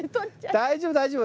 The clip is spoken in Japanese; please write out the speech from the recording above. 大丈夫大丈夫。